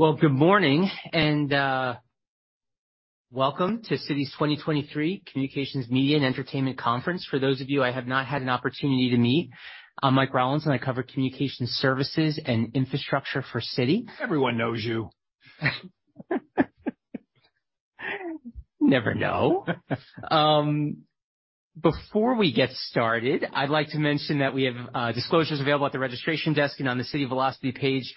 Well, good morning and, welcome to Citi's 2023 Communications, Media, and Entertainment Conference. For those of you I have not had an opportunity to meet, I'm Mike Rollins, and I cover communication services and infrastructure for Citi. Everyone knows you. You never know. Before we get started, I'd like to mention that we have disclosures available at the registration desk and on the Citi Velocity page,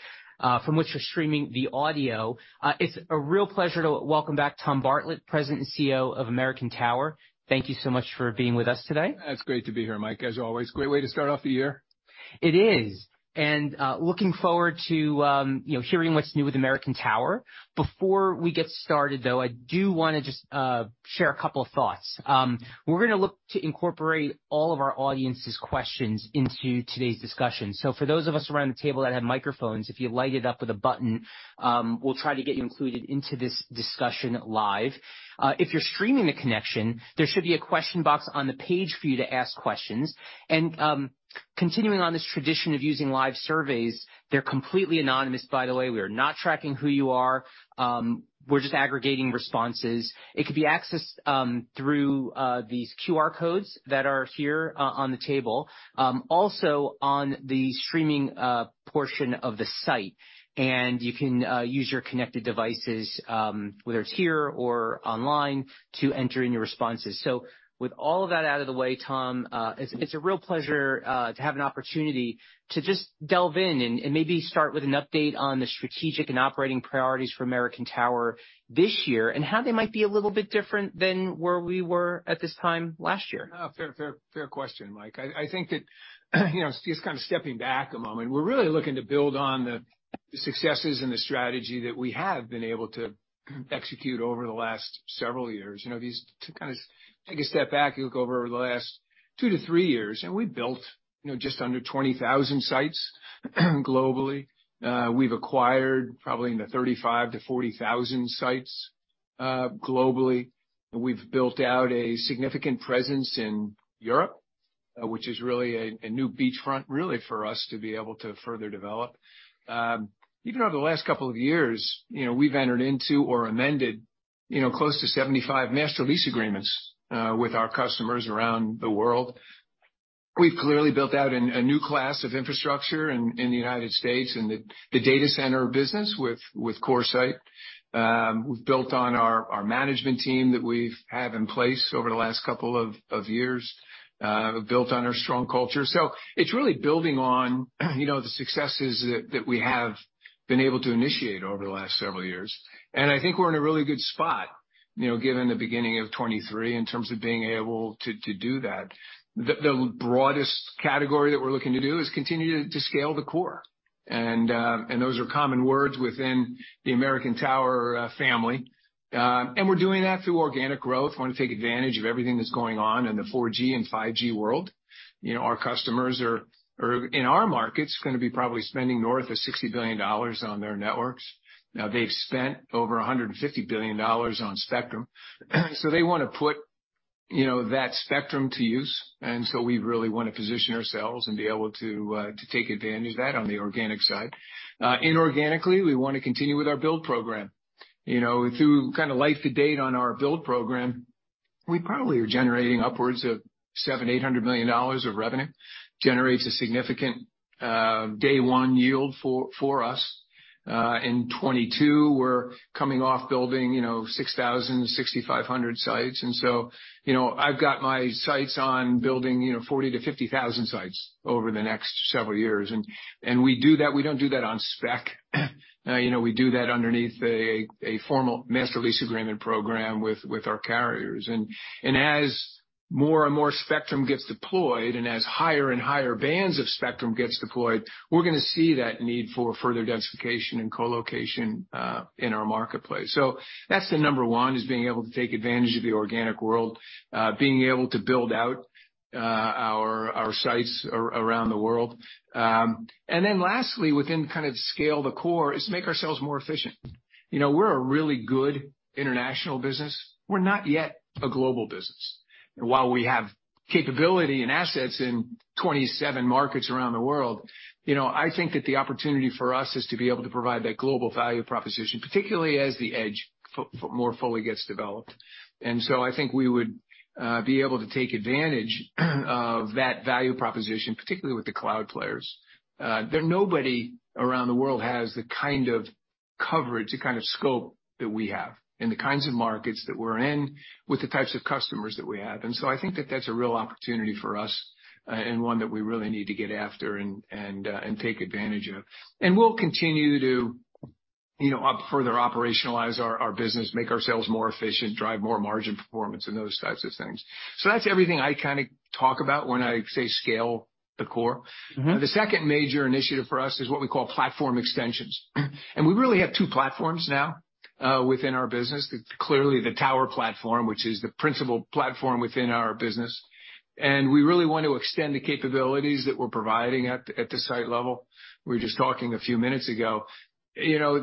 from which we're streaming the audio. It's a real pleasure to welcome back Tom Bartlett, President and CEO of American Tower. Thank you so much for being with us today. It's great to be here, Mike, as always. Great way to start off the year. It is. Looking forward to, you know, hearing what's new with American Tower. Before we get started, though, I do wanna just share a couple of thoughts. We're gonna look to incorporate all of our audience's questions into today's discussion. For those of us around the table that have microphones, if you light it up with a button, we'll try to get you included into this discussion live. If you're streaming the connection, there should be a question box on the page for you to ask questions. Continuing on this tradition of using live surveys, they're completely anonymous, by the way. We are not tracking who you are, we're just aggregating responses. It can be accessed, through these QR codes that are here on the table, also on the streaming portion of the site. You can use your connected devices, whether it's here or online, to enter in your responses. With all of that out of the way, Tom, it's a real pleasure to have an opportunity to just delve in and maybe start with an update on the strategic and operating priorities for American Tower this year, and how they might be a little bit different than where we were at this time last year. Oh, fair, fair question, Mike. I think that, you know, just kinda stepping back a moment, we're really looking to build on the successes and the strategy that we have been able to execute over the last several years. You know, to kinda take a step back and look over the last two to three years, we've built, you know, just under 20,000 sites globally. We've acquired probably in the 35,000-40,000 sites globally. We've built out a significant presence in Europe, which is really a new beachfront really for us to be able to further develop. Even over the last couple of years, you know, we've entered into or amended, you know, close to 75 master lease agreements with our customers around the world. We've clearly built out a new class of infrastructure in the U.S. in the data center business with CoreSite. We've built on our management team that we've have in place over the last couple of years, built on our strong culture. It's really building on, you know, the successes that we have been able to initiate over the last several years. I think we're in a really good spot, you know, given the beginning of 2023 in terms of being able to do that. The broadest category that we're looking to do is continue to scale the core. Those are common words within the American Tower family. We're doing that through organic growth. Wanna take advantage of everything that's going on in the 4G and 5G world. You know, our customers are in our markets gonna be probably spending north of $60 billion on their networks. They've spent over $150 billion on spectrum. They wanna put, you know, that spectrum to use, and so we really wanna position ourselves and be able to take advantage of that on the organic side. Inorganically, we wanna continue with our build program. You know, through kinda life to date on our build program, we probably are generating upwards of $700 million-$800 million of revenue. Generates a significant day one yield for us. In 2022, we're coming off building, you know, 6,000-6,500 sites. I've got my sights on building, you know, 40,000-50,000 sites over the next several years. We do that, we don't do that on spec. You know, we do that underneath a formal master lease agreement program with our carriers. As more and more spectrum gets deployed and as higher and higher bands of spectrum gets deployed, we're gonna see that need for further densification and colocation in our marketplace. That's the number one, is being able to take advantage of the organic world, being able to build out our sites around the world. Then lastly, within kind of scale the core is make ourselves more efficient. You know, we're a really good international business. We're not yet a global business. While we have capability and assets in 27 markets around the world, you know, I think that the opportunity for us is to be able to provide that global value proposition, particularly as the edge more fully gets developed. I think we would be able to take advantage of that value proposition, particularly with the cloud players. Nobody around the world has the kind of coverage, the kind of scope that we have, in the kinds of markets that we're in, with the types of customers that we have. I think that that's a real opportunity for us, and one that we really need to get after and take advantage of. We'll continue to, you know, further operationalize our business, make ourselves more efficient, drive more margin performance and those types of things. That's everything I kinda talk about when I say scale the core. Mm-hmm. The second major initiative for us is what we call platform extensions. We really have two platforms now within our business. Clearly, the tower platform, which is the principal platform within our business, and we really want to extend the capabilities that we're providing at the site level. We were just talking a few minutes ago. You know,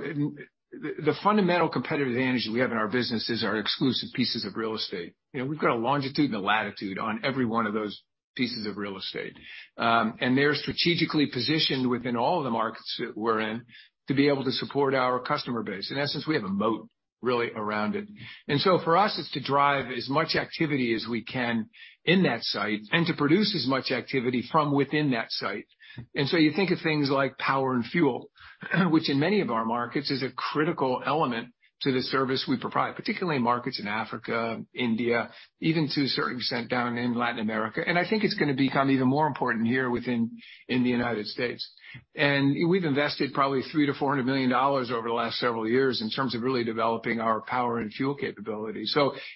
the fundamental competitive advantage we have in our business is our exclusive pieces of real estate. You know, we've got a longitude and latitude on every one of those pieces of real estate. They're strategically positioned within all of the markets that we're in to be able to support our customer base. In essence, we have a moat really around it. For us, it's to drive as much activity as we can in that site and to produce as much activity from within that site. You think of things like power and fuel, which in many of our markets is a critical element to the service we provide, particularly in markets in Africa, India, even to a certain % down in Latin America. I think it's gonna become even more important here within the United States. We've invested probably $300 million-$400 million over the last several years in terms of really developing our power and fuel capability.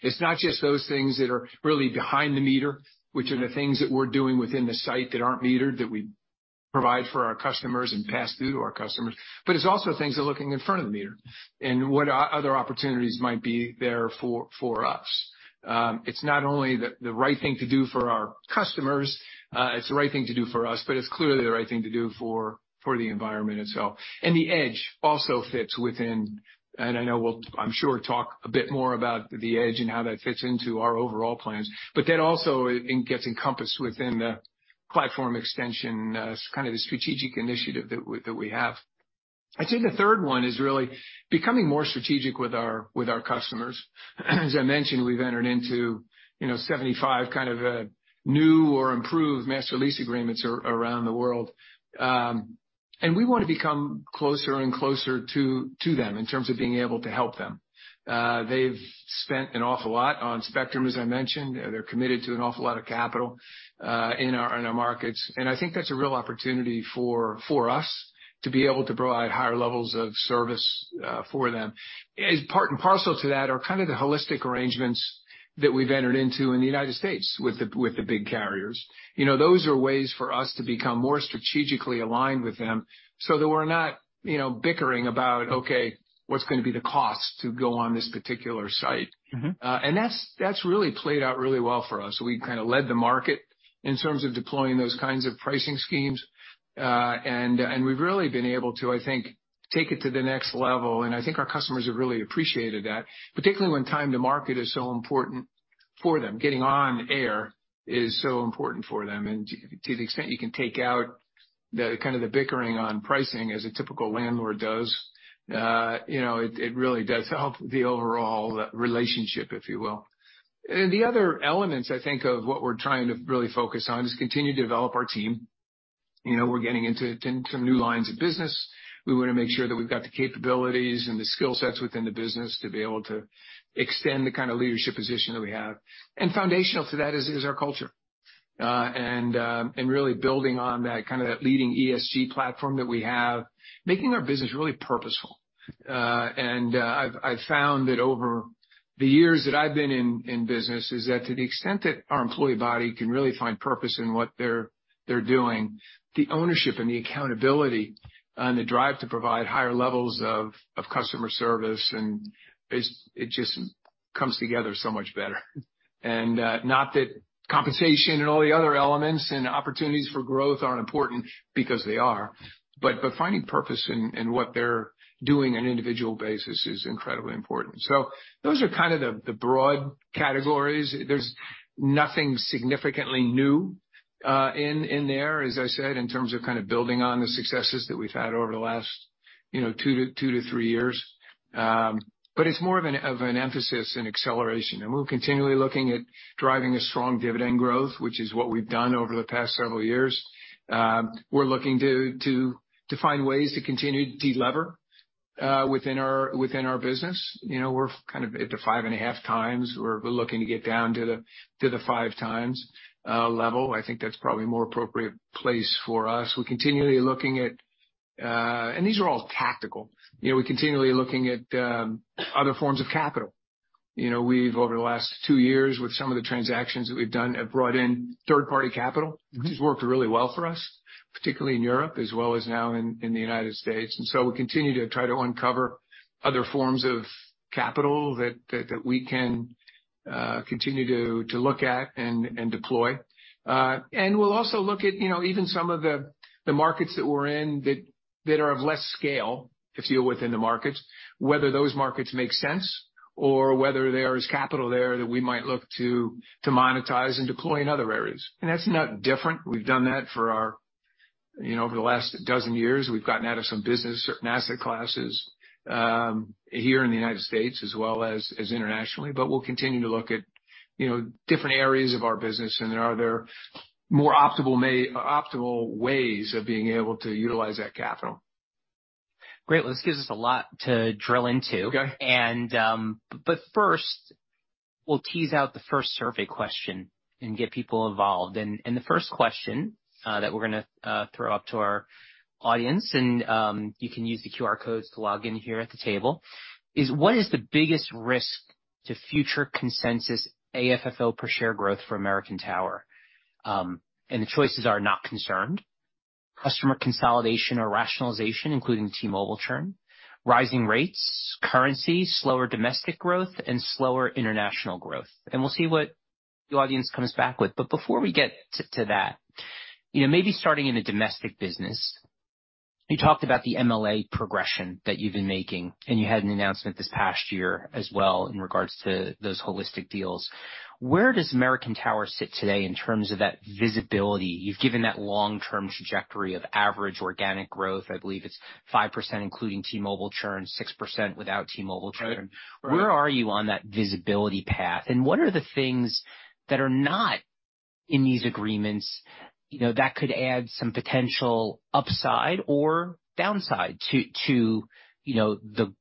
It's not just those things that are really behind the meter, which are the things that we're doing within the site that aren't metered, that we provide for our customers and pass through to our customers, but it's also things that are looking in front of the meter and what other opportunities might be there for us. It's not only the right thing to do for our customers, it's the right thing to do for us, but it's clearly the right thing to do for the environment itself. The edge also fits within. I know we'll, I'm sure, talk a bit more about the edge and how that fits into our overall plans. That also gets encompassed within the platform extension, kind of the strategic initiative that we have. I think the third one is really becoming more strategic with our customers. As I mentioned, we've entered into, you know, 75 kind of new or improved master lease agreements around the world. We wanna become closer and closer to them in terms of being able to help them. They've spent an awful lot on spectrum, as I mentioned. They're committed to an awful lot of capital in our markets. I think that's a real opportunity for us to be able to provide higher levels of service for them. As part and parcel to that are kind of the holistic arrangements that we've entered into in the United States with the big carriers. You know, those are ways for us to become more strategically aligned with them so that we're not, you know, bickering about, okay, what's gonna be the cost to go on this particular site. Mm-hmm. That's really played out really well for us. We kinda led the market in terms of deploying those kinds of pricing schemes, and we've really been able to, I think, take it to the next level, and I think our customers have really appreciated that, particularly when time to market is so important for them. Getting on air is so important for them. To the extent you can take out the kind of the bickering on pricing as a typical landlord does, you know, it really does help the overall relationship, if you will. The other elements, I think, of what we're trying to really focus on is continue to develop our team. You know, we're getting into some new lines of business. We wanna make sure that we've got the capabilities and the skill sets within the business to be able to extend the kinda leadership position that we have. Foundational to that is our culture, and really building on that kinda that leading ESG platform that we have, making our business really purposeful. I've found that over the years that I've been in business is that to the extent that our employee body can really find purpose in what they're doing, the ownership and the accountability and the drive to provide higher levels of customer service, it just comes together so much better. Not that compensation and all the other elements and opportunities for growth aren't important, because they are, but finding purpose in what they're doing on an individual basis is incredibly important. Those are kind of the broad categories. There's nothing significantly new in there, as I said, in terms of kind of building on the successes that we've had over the last, you know, two-three years. But it's more of an emphasis in acceleration, and we're continually looking at driving a strong dividend growth, which is what we've done over the past several years. We're looking to find ways to continue to delever within our business. You know, we're kind of at the 5.5x. We're looking to get down to the 5x level. I think that's probably a more appropriate place for us. We're continually looking at. These are all tactical. You know, we're continually looking at other forms of capital. You know, we've over the last two years, with some of the transactions that we've done, have brought in third-party capital, which has worked really well for us, particularly in Europe as well as now in the United States. We continue to try to uncover other forms of capital that we can continue to look at and deploy. We'll also look at, you know, even some of the markets that we're in that are of less scale to deal with in the markets, whether those markets make sense or whether there is capital there that we might look to monetize and deploy in other areas. That's not different. We've done that for our, you know, over the last 12 years. We've gotten out of some business, certain asset classes, here in the United States as well as internationally. We'll continue to look at, you know, different areas of our business and are there more optimal ways of being able to utilize that capital. Great. This gives us a lot to drill into. Okay. First, we'll tease out the first survey question and get people involved. The first question that we're gonna throw out to our audience, you can use the QR codes to log in here at the table, is what is the biggest risk to future consensus AFFO per share growth for American Tower? The choices are Customer consolidation or rationalization, including T-Mobile churn, rising rates, currency, slower domestic growth, and slower international growth. We'll see what the audience comes back with. Before we get to that, you know, maybe starting in the domestic business, you talked about the MLA progression that you've been making, and you had an announcement this past year as well in regards to those holistic deals. Where does American Tower sit today in terms of that visibility? You've given that long-term trajectory of average organic growth. I believe it's 5% including T-Mobile churn, 6% without T-Mobile churn. Right. Right. Where are you on that visibility path? And what are the things that are not in these agreements, you know, that could add some potential upside or downside to, you know, the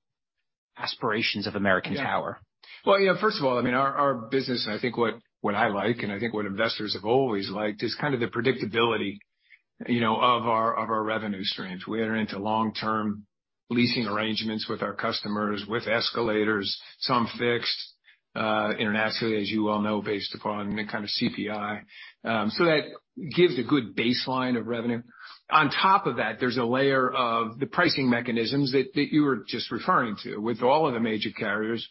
aspirations of American Tower? Yeah. Well, you know, first of all, I mean, our business, I think what I like, and I think what investors have always liked is kind of the predictability, you know, of our, of our revenue streams. We enter into long-term leasing arrangements with our customers, with escalators, some fixed, internationally, as you well know, based upon kind of CPI. That gives a good baseline of revenue. On top of that, there's a layer of the pricing mechanisms that you were just referring to. With all of the major carriers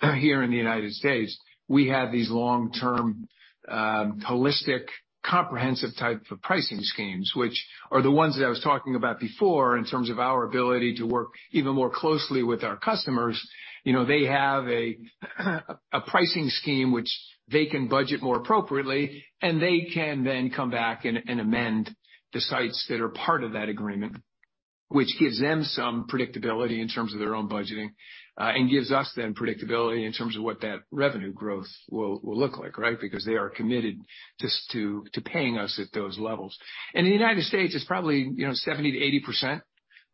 here in the United States, we have these long-term, holistic, comprehensive type of pricing schemes, which are the ones that I was talking about before in terms of our ability to work even more closely with our customers. You know, they have a pricing scheme which they can budget more appropriately, and they can then come back and amend the sites that are part of that agreement, which gives them some predictability in terms of their own budgeting, and gives us then predictability in terms of what that revenue growth will look like, right? They are committed just to paying us at those levels. In the United States, it's probably, you know, 70%-80%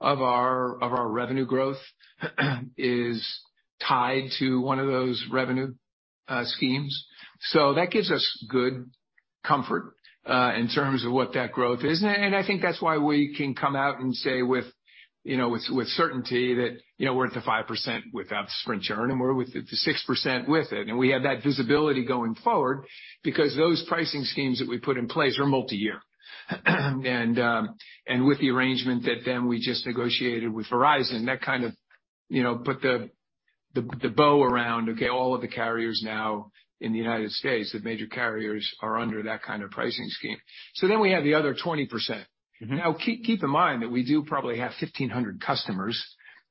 of our revenue growth is tied to one of those revenue schemes. That gives us good comfort in terms of what that growth is. I think that's why we can come out and say with, you know, with certainty that, you know, we're at the 5% without the Sprint churn, and we're with the 6% with it. We have that visibility going forward because those pricing schemes that we put in place are multi-year. With the arrangement that then we just negotiated with Verizon, that kind of, you know, put the bow around, okay, all of the carriers now in the United States, the major carriers are under that kind of pricing scheme. We have the other 20%. Mm-hmm. Keep in mind that we do probably have 1,500 customers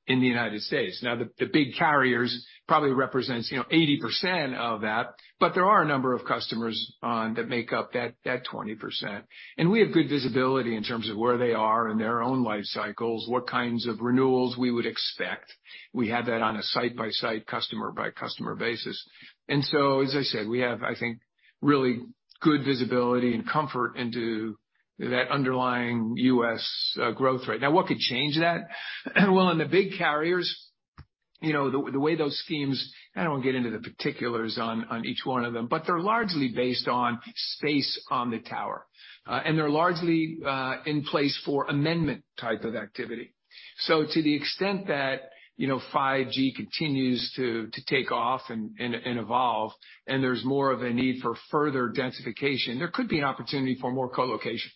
in the United States. The big carriers probably represents, you know, 80% of that, but there are a number of customers that make up that 20%. We have good visibility in terms of where they are in their own life cycles, what kinds of renewals we would expect. We have that on a site-by-site, customer-by-customer basis. As I said, we have, I think, really good visibility and comfort into that underlying U.S. growth rate. What could change that? Well, in the big carriers, you know, the way those schemes, I don't want to get into the particulars on each one of them, but they're largely based on space on the tower. They're largely in place for amendment type of activity. To the extent that, you know, 5G continues to take off and evolve, and there's more of a need for further densification, there could be an opportunity for more co-location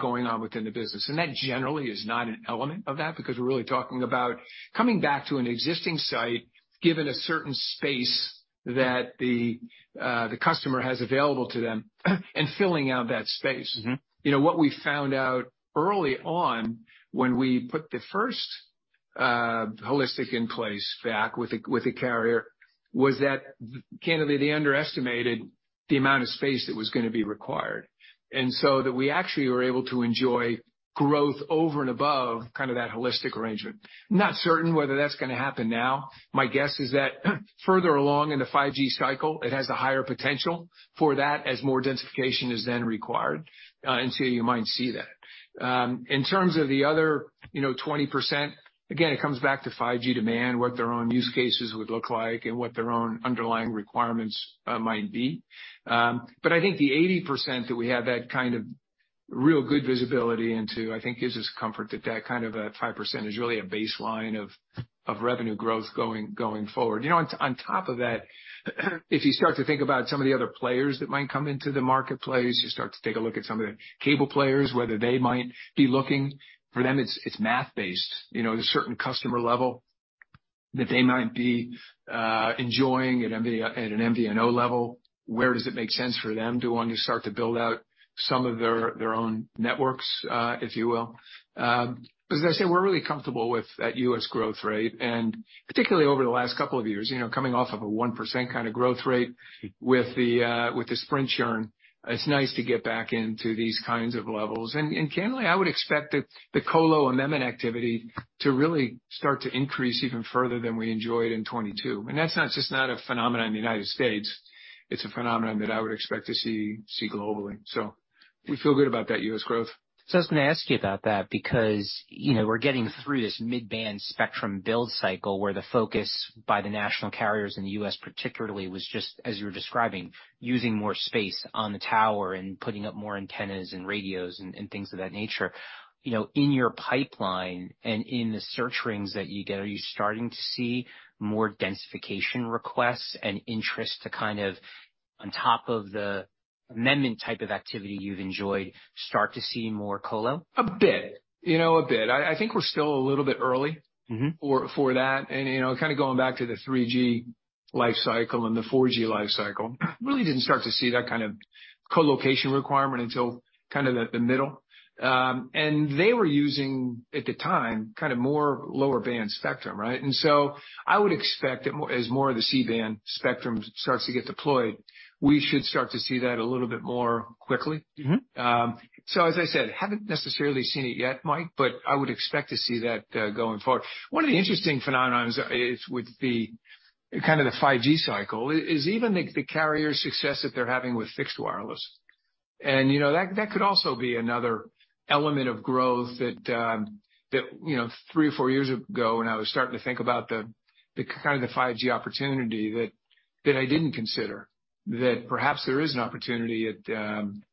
going on within the business. That generally is not an element of that because we're really talking about coming back to an existing site, given a certain space that the customer has available to them and filling out that space. Mm-hmm. You know, what we found out early on when we put the first holistic in place back with a carrier was that candidly, they underestimated the amount of space that was gonna be required. That we actually were able to enjoy growth over and above kind of that holistic arrangement. Not certain whether that's gonna happen now. My guess is that further along in the 5G cycle, it has a higher potential for that as more densification is then required. You might see that. In terms of the other, you know, 20%, again, it comes back to 5G demand, what their own use cases would look like and what their own underlying requirements might be. I think the 80% that we have that kind of real good visibility into, I think gives us comfort that that kind of a 5% is really a baseline of revenue growth going forward. You know, on top of that, if you start to think about some of the other players that might come into the marketplace, you start to take a look at some of the cable players, whether they might be looking. For them, it's math-based, you know, the certain customer level that they might be enjoying at an MVNO level. Where does it make sense for them to want to start to build out some of their own networks, if you will. As I say, we're really comfortable with that U.S. growth rate, and particularly over the last couple of years, you know, coming off of a 1% kinda growth rate with the Sprint churn, it's nice to get back into these kinds of levels. Candidly, I would expect that the colo amendment activity to really start to increase even further than we enjoyed in 2022. That's just not a phenomenon in the United States. It's a phenomenon that I would expect to see globally. We feel good about that U.S. growth. I was gonna ask you about that because, you know, we're getting through this mid-band spectrum build cycle where the focus by the national carriers in the U.S. particularly was just, as you were describing, using more space on the tower and putting up more antennas and radios and things of that nature. You know, in your pipeline and in the search rings that you get, are you starting to see more densification requests and interest to kind of on top of the amendment type of activity you've enjoyed, start to see more colo? A bit. You know, a bit. I think we're still a little bit early... Mm-hmm. For that. You know, kinda going back to the 3G life cycle and the 4G life cycle, really didn't start to see that kind of colocation requirement until kind of at the middle. They were using, at the time, kind of more lower band spectrum, right? I would expect that as more of the C-band spectrum starts to get deployed, we should start to see that a little bit more quickly. Mm-hmm. As I said, haven't necessarily seen it yet, Mike, but I would expect to see that going forward. One of the interesting phenomenons is with the kind of the 5G cycle is even the carrier success that they're having with fixed wireless. You know, that could also be another element of growth that, you know, three or four years ago when I was starting to think about the kind of the 5G opportunity that I didn't consider. Perhaps there is an opportunity on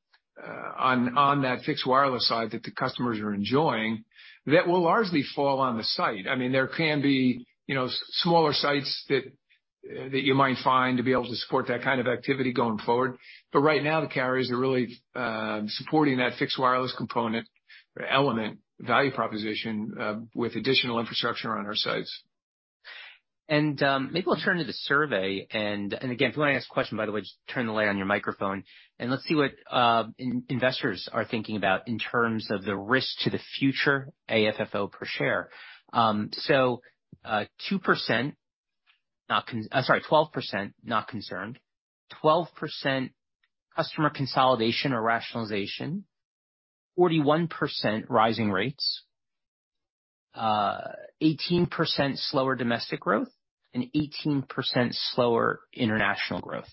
that fixed wireless side that the customers are enjoying that will largely fall on the site. I mean, there can be, you know, smaller sites that you might find to be able to support that kind of activity going forward. Right now, the carriers are really supporting that fixed wireless component or element value proposition with additional infrastructure on our sites. Maybe we'll turn to the survey and, again, if you wanna ask a question, by the way, just turn the light on your microphone. Let's see what investors are thinking about in terms of the risk to the future AFFO per share. 2%, 12% not concerned. 12% customer consolidation or rationalization. 41% rising rates. 18% slower domestic growth, and 18% slower international growth.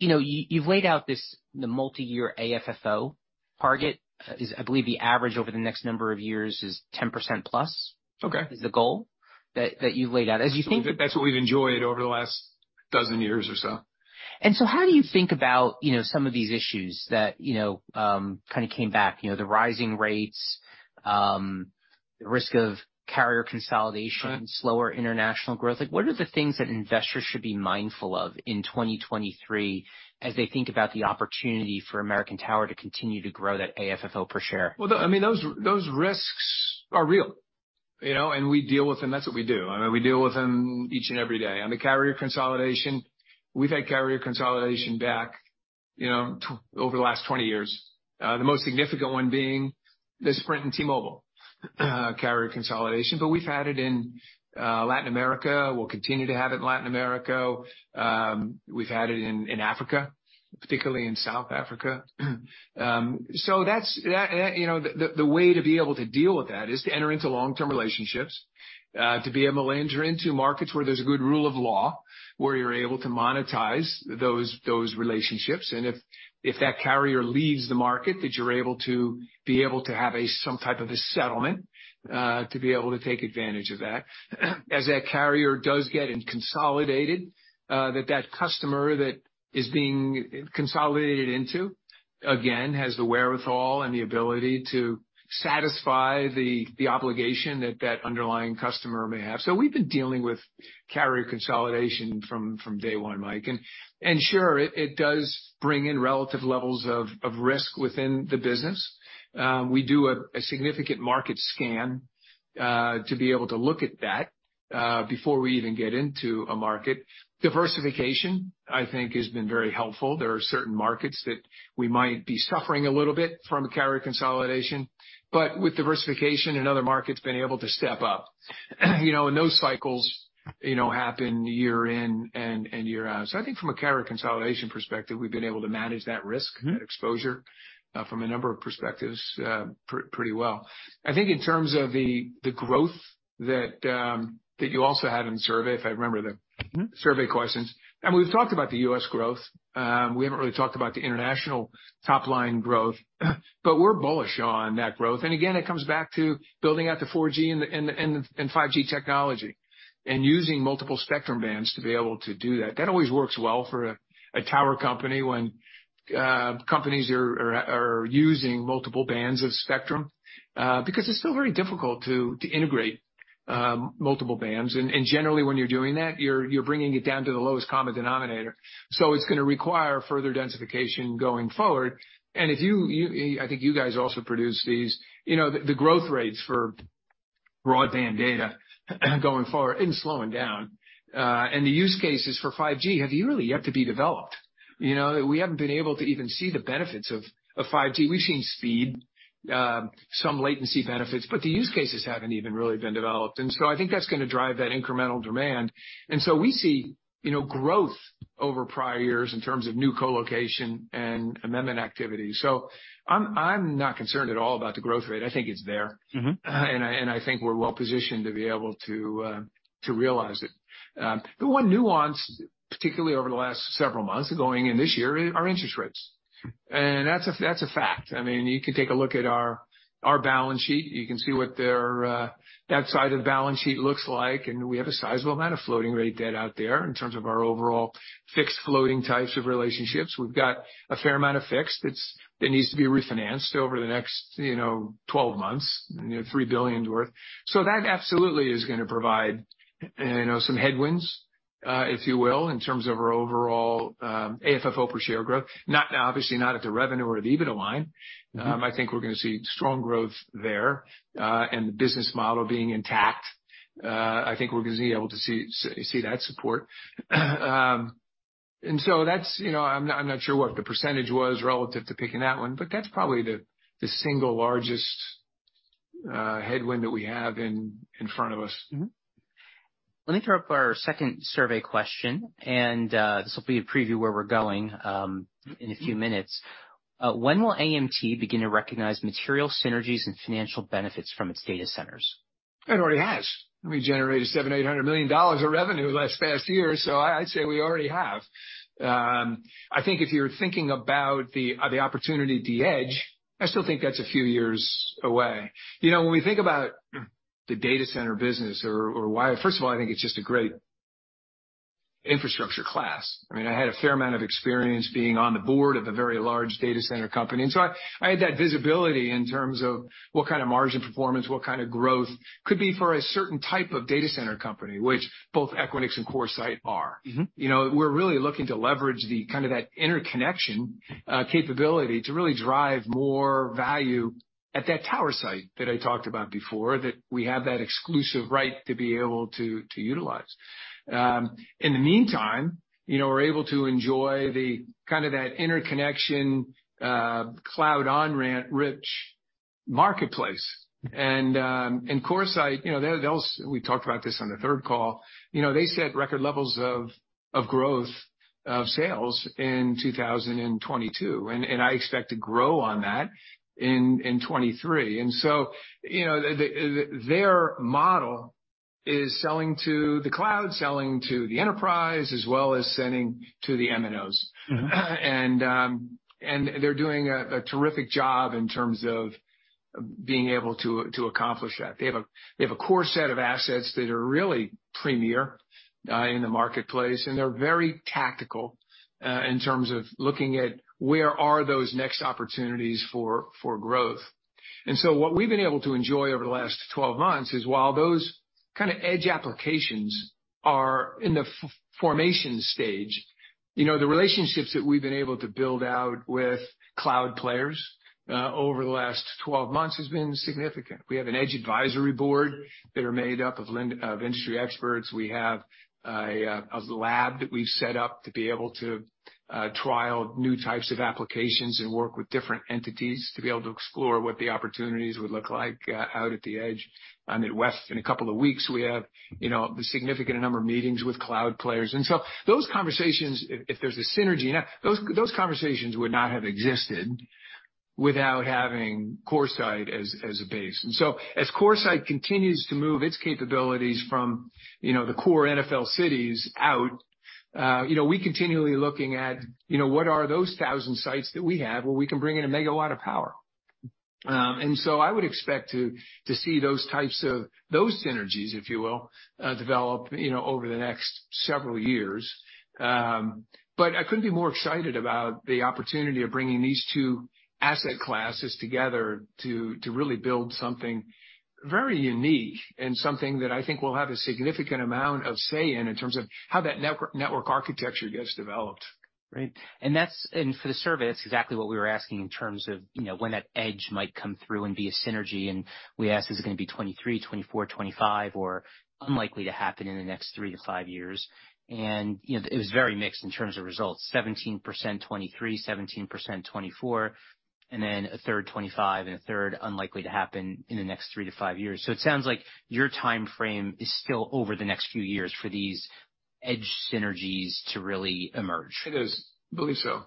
You know, you've laid out this, the multiyear AFFO target. Is I believe the average over the next number of years is 10%+- Okay. Is the goal that you've laid out? That's what we've enjoyed over the last dozen years or so. How do you think about, you know, some of these issues that, you know, kinda came back, you know, the rising rates, the risk of carrier consolidation-? Right. Slower international growth. Like, what are the things that investors should be mindful of in 2023 as they think about the opportunity for American Tower to continue to grow that AFFO per share? Well, I mean, those risks are real, you know, we deal with them. That's what we do. I mean, we deal with them each and every day. On the carrier consolidation, we've had carrier consolidation back, you know, over the last 20 years. The most significant one being the Sprint and T-Mobile carrier consolidation, we've had it in Latin America. We'll continue to have it in Latin America. We've had it in Africa, particularly in South Africa. You know, the way to be able to deal with that is to enter into long-term relationships, to be able to enter into markets where there's a good rule of law, where you're able to monetize those relationships. If that carrier leaves the market, that you're able to be able to have some type of a settlement to be able to take advantage of that. As that carrier does get consolidated, that customer that is being consolidated into, again, has the wherewithal and the ability to satisfy the obligation that that underlying customer may have. We've been dealing with carrier consolidation from day one, Mike. Sure, it does bring in relative levels of risk within the business. We do a significant market scan to be able to look at that before we even get into a market. Diversification, I think, has been very helpful. There are certain markets that we might be suffering a little bit from a carrier consolidation, but with diversification and other markets being able to step up. You know, and those cycles, you know, happen year in and year out. I think from a carrier consolidation perspective, we've been able to manage that risk-. Mm-hmm. That exposure, from a number of perspectives, pretty well. I think in terms of the growth that you also had in the survey, if I remember the. Mm-hmm. Survey questions. I mean, we've talked about the U.S. growth. We haven't really talked about the international top line growth, we're bullish on that growth. Again, it comes back to building out the 4G and the 5G technology and using multiple spectrum bands to be able to do that. That always works well for a tower company when companies are using multiple bands of spectrum because it's still very difficult to integrate multiple bands. Generally, when you're doing that, you're bringing it down to the lowest common denominator. It's gonna require further densification going forward. If I think you guys also produce these, you know, the growth rates for broadband data going forward isn't slowing down. The use cases for 5G have really yet to be developed. You know, we haven't been able to even see the benefits of 5G. We've seen speed, some latency benefits, but the use cases haven't even really been developed. I think that's gonna drive that incremental demand. We see, you know, growth over prior years in terms of new colocation and amendment activity. I'm not concerned at all about the growth rate. I think it's there. Mm-hmm. I think we're well-positioned to be able to realize it. The one nuance, particularly over the last several months going in this year, are interest rates. That's a fact. I mean, you can take a look at our balance sheet. You can see what their that side of the balance sheet looks like, and we have a sizable amount of floating rate debt out there in terms of our overall fixed floating types of relationships. We've got a fair amount of fixed that needs to be refinanced over the next, you know, 12 months, you know, $3 billion worth. That absolutely is gonna provide, you know, some headwinds, if you will, in terms of our overall AFFO per share growth. Obviously not at the revenue or the EBITDA line. I think we're gonna see strong growth there, and the business model being intact. I think we're gonna be able to see that support. That's, you know, I'm not, I'm not sure what the percentage was relative to picking that one, but that's probably the single largest headwind that we have in front of us. Mm-hmm. Let me throw up our second survey question, and this will be a preview where we're going in a few minutes. When will AMT begin to recognize material synergies and financial benefits from its data centers? It already has. We generated $700 million-$800 million of revenue last year. I'd say we already have. I think if you're thinking about the opportunity at the edge, I still think that's a few years away. You know, when we think about the data center business. First of all, I think it's just a great infrastructure class. I mean, I had a fair amount of experience being on the board of a very large data center company. I had that visibility in terms of what kind of margin performance, what kind of growth could be for a certain type of data center company, which both Equinix and CoreSite are. Mm-hmm. You know, we're really looking to leverage the kind of that interconnection capability to really drive more value at that tower site that I talked about before, that we have that exclusive right to be able to utilize. In the meantime, you know, we're able to enjoy the kind of that interconnection cloud on-ramp rich marketplace. CoreSite, you know, they're we talked about this on the third call. You know, they set record levels of growth, of sales in 2022, and I expect to grow on that in 2023. You know, their model is selling to the cloud, selling to the enterprise, as well as selling to the MNOs. Mm-hmm. They're doing a terrific job in terms of being able to accomplish that. They have a core set of assets that are really premier in the marketplace, and they're very tactical in terms of looking at where are those next opportunities for growth. What we've been able to enjoy over the last 12 months is while those kinda edge applications are in the formation stage, you know, the relationships that we've been able to build out with cloud players over the last 12 months has been significant. We have an edge advisory board that are made up of industry experts. We have a lab that we've set up to be able to trial new types of applications and work with different entities to be able to explore what the opportunities would look like out at the edge. I'm at WEF in a couple of weeks. We have, you know, the significant number of meetings with cloud players. Those conversations, if there's a synergy, now those conversations would not have existed without having CoreSite as a base. As CoreSite continues to move its capabilities from, you know, the core NFL cities out, you know, we continually looking at, you know, what are those 1,000 sites that we have where we can bring in 1 megawatt of power. I would expect to see those types of those synergies, if you will, develop, you know, over the next several years. I couldn't be more excited about the opportunity of bringing these two asset classes together to really build something very unique and something that I think will have a significant amount of say in terms of how that network architecture gets developed. Right. For the survey, that's exactly what we were asking in terms of, you know, when that edge might come through and be a synergy. We asked, is it gonna be 2023, 2024, 2025, or unlikely to happen in the next three to five years? You know, it was very mixed in terms of results. 17% 2023, 17% 2024, and then a third 2025, and a third unlikely to happen in the next three to five years. It sounds like your timeframe is still over the next few years for these edge synergies to really emerge. It is. Believe so.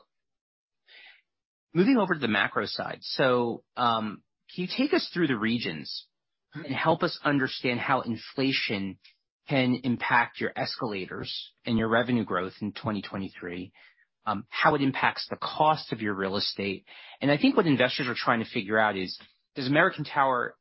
Moving over to the macro side. Can you take us through the regions? Mm-hmm... and help us understand how inflation can impact your escalators and your revenue growth in 2023, how it impacts the cost of your real estate? I think what investors are trying to figure out is, does American Tower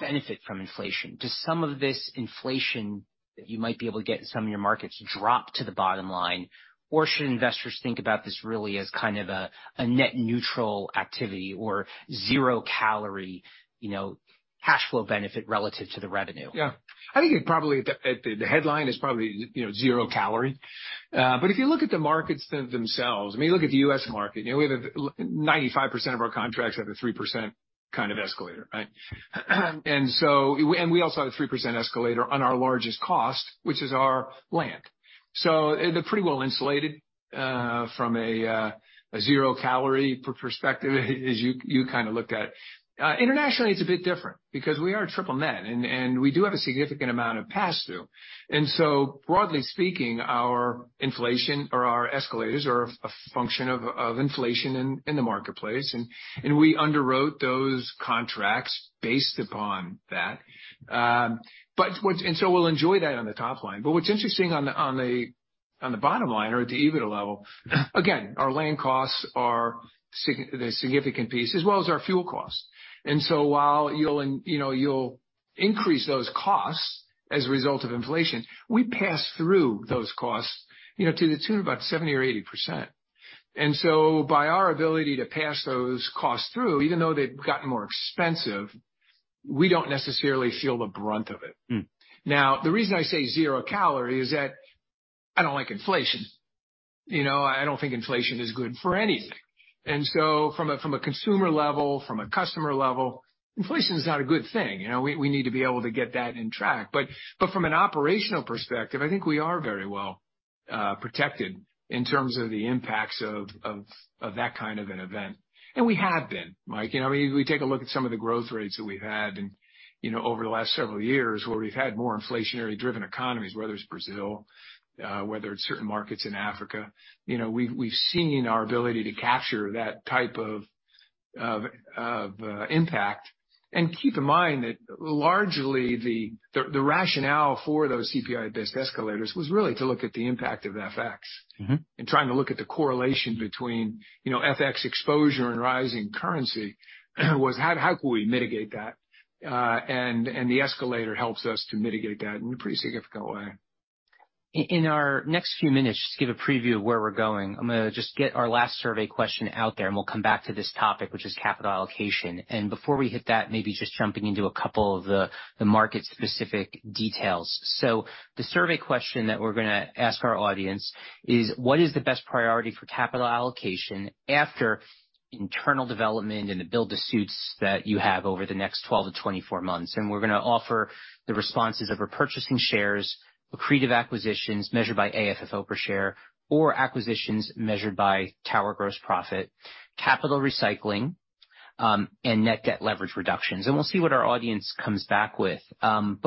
benefit from inflation? Does some of this inflation that you might be able to get in some of your markets drop to the bottom line? Or should investors think about this really as kind of a net neutral activity or zero calorie, you know, cash flow benefit relative to the revenue? Yeah. I think it probably at the, at the headline is probably, you know, zero calorie. But if you look at the markets themselves, I mean, you look at the U.S. market, you know, we have 95% of our contracts have a 3% kind of escalator, right? We also have a 3% escalator on our largest cost, which is our land. They're pretty well insulated, from a zero calorie perspective as you kinda look at it. Internationally, it's a bit different because we are triple net and we do have a significant amount of pass-through. Broadly speaking, our inflation or our escalators are a function of inflation in the marketplace, and we underwrote those contracts based upon that. We'll enjoy that on the top line. What's interesting on the bottom line or at the EBITDA level, again, our land costs are the significant piece as well as our fuel costs. While you'll, you know, you'll increase those costs as a result of inflation, we pass through those costs, you know, to the tune of about 70% or 80%. By our ability to pass those costs through, even though they've gotten more expensive, we don't necessarily feel the brunt of it. Mm. The reason I say zero calorie is that I don't like inflation. You know, I don't think inflation is good for anything. From a consumer level, from a customer level, inflation is not a good thing. You know, we need to be able to get that in track. From an operational perspective, I think we are very well protected in terms of the impacts of that kind of an event. We have been, Mike, you know, I mean, if we take a look at some of the growth rates that we've had and, you know, over the last several years where we've had more inflationary driven economies, whether it's Brazil, whether it's certain markets in Africa, you know, we've seen our ability to capture that type of impact. Keep in mind that largely the rationale for those CPI-based escalators was really to look at the impact of FX. Mm-hmm. Trying to look at the correlation between, you know, FX exposure and rising currency was how could we mitigate that? The escalator helps us to mitigate that in a pretty significant way. In our next few minutes, just to give a preview of where we're going, I'm gonna just get our last survey question out there. We'll come back to this topic, which is capital allocation. Before we hit that, maybe just jumping into a couple of the market-specific details. The survey question that we're gonna ask our audience is, what is the best priority for capital allocation after internal development and the build-to-suits that you have over the next 12-24 months? We're gonna offer the responses of repurchasing shares, accretive acquisitions measured by AFFO per share or acquisitions measured by tower gross profit, capital recycling, and net debt leverage reductions. We'll see what our audience comes back with.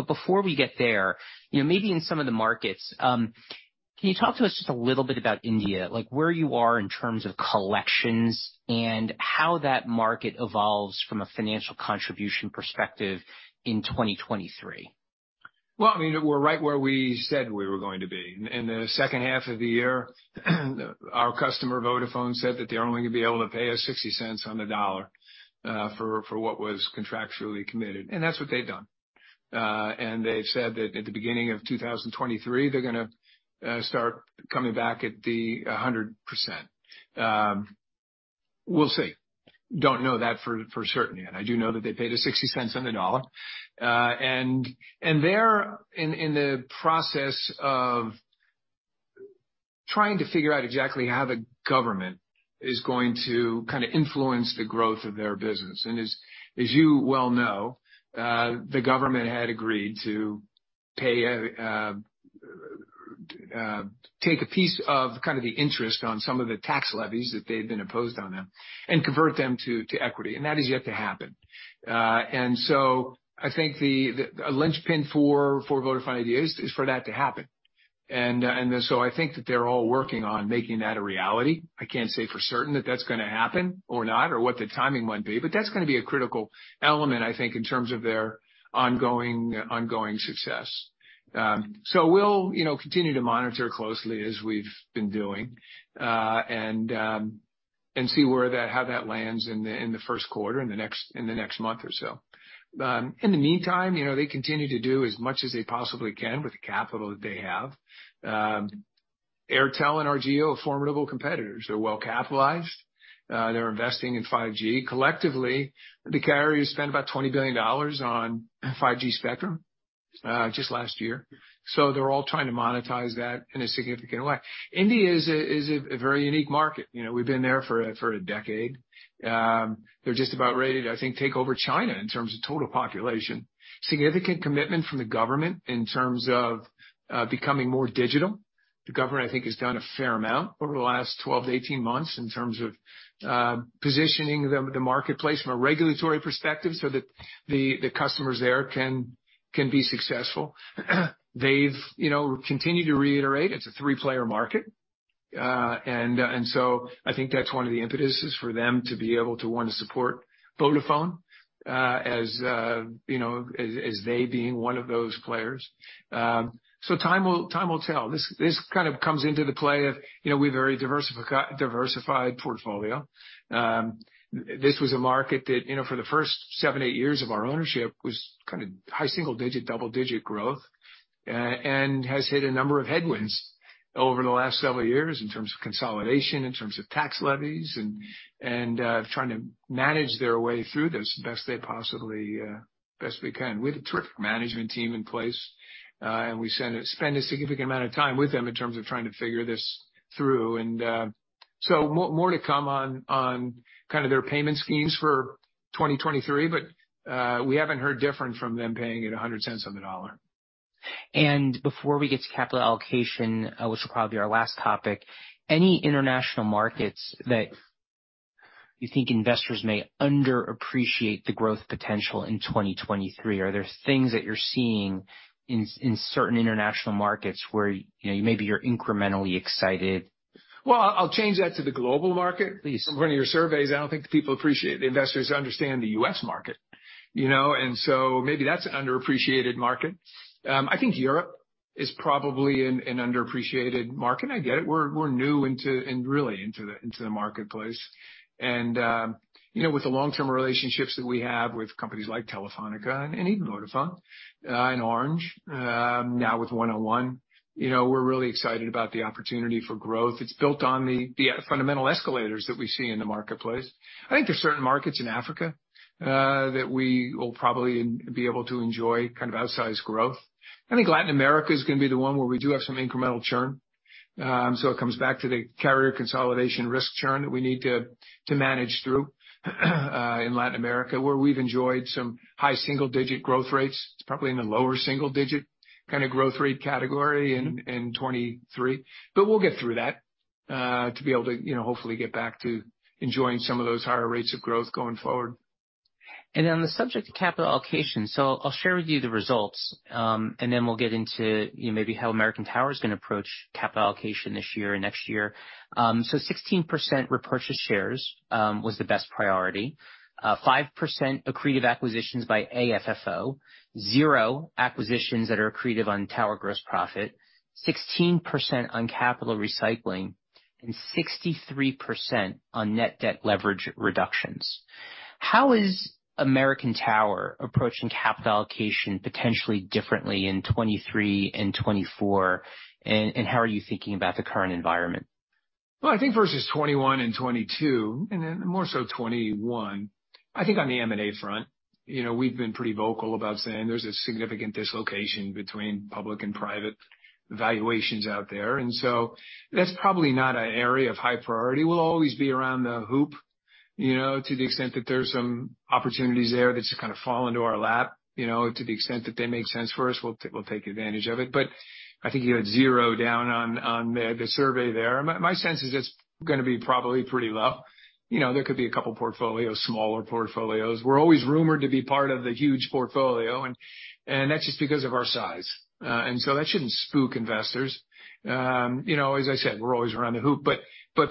Before we get there, you know, maybe in some of the markets, can you talk to us just a little bit about India, like where you are in terms of collections and how that market evolves from a financial contribution perspective in 2023? Well, I mean, we're right where we said we were going to be. In the second half of the year, our customer, Vodafone, said that they're only gonna be able to pay us $0.60 on $1 for what was contractually committed, and that's what they've done. They've said that at the beginning of 2023, they're gonna start coming back at 100%. We'll see. Don't know that for certain yet. I do know that they paid us $0.60 on the dollar. They're in the process of trying to figure out exactly how the government is going to kinda influence the growth of their business. As you well know, the government had agreed to pay a, take a piece of kind of the interest on some of the tax levies that they've been imposed on them and convert them to equity, and that is yet to happen. I think the linchpin for Vodafone Idea is for that to happen. I think that they're all working on making that a reality. I can't say for certain that that's gonna happen or not or what the timing might be, but that's gonna be a critical element, I think, in terms of their ongoing success. We'll, you know, continue to monitor closely as we've been doing, and see how that lands in the first quarter in the next month or so. In the meantime, you know, they continue to do as much as they possibly can with the capital that they have. Airtel and Jio are formidable competitors. They're well capitalized. They're investing in 5G. Collectively, the carriers spend about $20 billion on 5G spectrum, just last year. They're all trying to monetize that in a significant way. India is a, is a very unique market. You know, we've been there for a decade. They're just about ready to, I think, take over China in terms of total population. Significant commitment from the government in terms of, becoming more digital. The government, I think, has done a fair amount over the last 12-18 months in terms of, positioning the marketplace from a regulatory perspective so that the customers there can be successful. They've, you know, continued to reiterate it's a three-player market. I think that's one of the impetuses for them to be able to one, support Vodafone, as, you know, as they being one of those players. Time will tell. This kind of comes into the play of, you know, we have very diversified portfolio. This was a market that, you know, for the first seven, eight years of our ownership, was kinda high single-digit, double-digit growth, and has hit a number of headwinds over the last several years in terms of consolidation, in terms of tax levies and, trying to manage their way through this best they possibly, best they can. We have a terrific management team in place, and we spend a significant amount of time with them in terms of trying to figure this through. More, more to come on kind of their payment schemes for 2023, but we haven't heard different from them paying it $1.00 on the dollar. Before we get to capital allocation, which will probably be our last topic, any international markets that you think investors may underappreciate the growth potential in 2023? Are there things that you're seeing in certain international markets where, you know, maybe you're incrementally excited? Well, I'll change that to the global market. Please. From one of your surveys, I don't think the people appreciate it. The investors understand the U.S. market, you know, and so maybe that's an underappreciated market. I think Europe is probably an underappreciated market. I get it. We're new in really into the marketplace. You know, with the long-term relationships that we have with companies like Telefónica and even Vodafone and Orange, now with 1&1, you know, we're really excited about the opportunity for growth. It's built on the fundamental escalators that we see in the marketplace. I think there's certain markets in Africa that we will probably be able to enjoy kind of outsized growth. I think Latin America is gonna be the one where we do have some incremental churn. It comes back to the carrier consolidation risk churn that we need to manage through, in Latin America, where we've enjoyed some high single-digit growth rates. It's probably in the lower single-digit kind of growth rate category in 2023. We'll get through that, to be able to, you know, hopefully get back to enjoying some of those higher rates of growth going forward. On the subject of capital allocation, I'll share with you the results, and then we'll get into, you know, maybe how American Tower is gonna approach capital allocation this year and next year. 16% repurchase shares was the best priority. 5% accretive acquisitions by AFFO. Zero acquisitions that are accretive on tower gross profit. 16% on capital recycling, and 63% on net debt leverage reductions. How is American Tower approaching capital allocation potentially differently in 2023 and 2024, and how are you thinking about the current environment? I think versus 2021 and 2022, and then more so 2021, I think on the M&A front. You know, we've been pretty vocal about saying there's a significant dislocation between public and private valuations out there. That's probably not an area of high priority. We'll always be around the hoop, you know, to the extent that there's some opportunities there that just kinda fall into our lap, you know. To the extent that they make sense for us, we'll take advantage of it. I think you had zero down on the survey there. My sense is it's gonna be probably pretty low. You know, there could be a couple portfolios, smaller portfolios. We're always rumored to be part of the huge portfolio and that's just because of our size. That shouldn't spook investors. You know, as I said, we're always around the hoop, but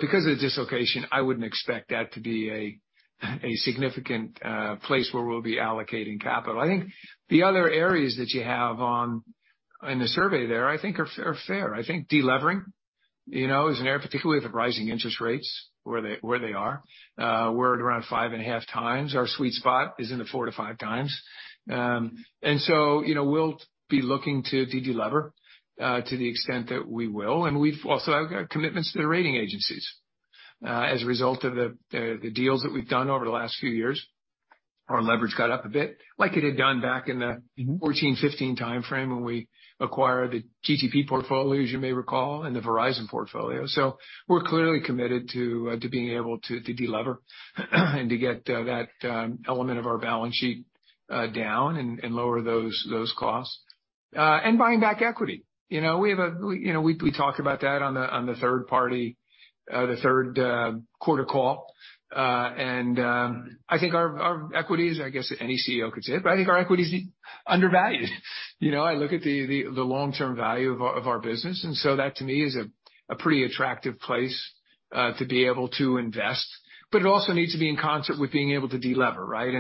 because of the dislocation, I wouldn't expect that to be a significant place where we'll be allocating capital. I think the other areas that you have on in the survey there, I think are fair. I think de-levering, you know, is an area, particularly with rising interest rates where they are. We're at around 5.5x. Our sweet spot is in the 4x-5x. You know, we'll be looking to delever to the extent that we will. We've also got commitments to the rating agencies. As a result of the deals that we've done over the last few years, our leverage got up a bit, like it had done back in the 2014, 2015 timeframe when we acquired the GTP portfolio, as you may recall, and the Verizon portfolio. We're clearly committed to being able to de-lever and to get that element of our balance sheet down and lower those costs. Buying back equity. You know, we, you know, we talked about that on the third quarter call. I think our equity is, I guess any CEO could say it, but I think our equity is undervalued. You know, I look at the long-term value of our business. That to me is a pretty attractive place to be able to invest. It also needs to be in concert with being able to de-lever, right?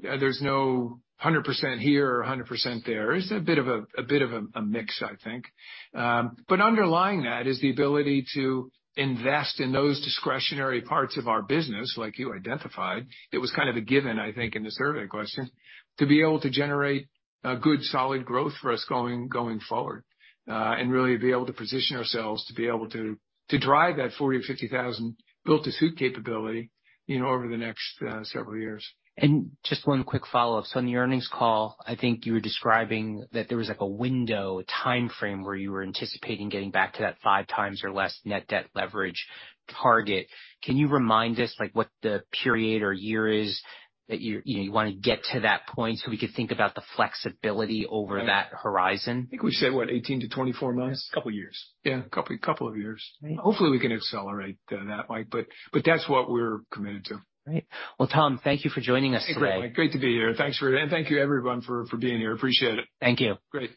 There's no 100% here or a 100% there. It's a bit of a mix, I think. Underlying that is the ability to invest in those discretionary parts of our business like you identified. It was kind of a given, I think, in the survey question, to be able to generate a good, solid growth for us going forward. Really be able to position ourselves to be able to drive that 40,000-50,000 built-to-suit capability, you know, over the next several years. Just one quick follow-up. On the earnings call, I think you were describing that there was like a window, a timeframe where you were anticipating getting back to that 5x or less net debt leverage target. Can you remind us like what the period or year is that you're, you know, you wanna get to that point so we can think about the flexibility over that horizon? I think we said what? 18-24 months. A couple years. Yeah, a couple of years. Right. Hopefully, we can accelerate, that, Mike, but that's what we're committed to. Great. Well, Tom, thank you for joining us today. Hey, great, Mike. Great to be here and thank you everyone for being here. Appreciate it. Thank you. Great.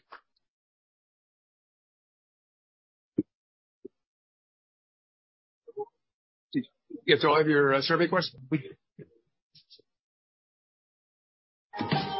Did you answer all of your survey questions? We did. Okay.